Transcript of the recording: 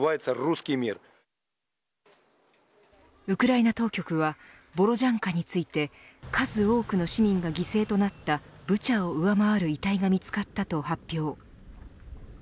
ウクライナ当局はボロジャンカについて数多くの市民が犠牲となったブチャを上回る遺体が見つかったと発表。